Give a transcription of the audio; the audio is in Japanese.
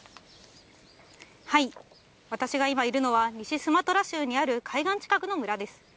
私が今いるのは、西スマトラ州にある海岸近くの村です。